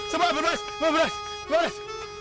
semua bebas bebas bebas